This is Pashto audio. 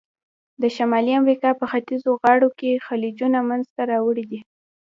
د شمالي امریکا په ختیځو غاړو کې خلیجونه منځته راوړي دي.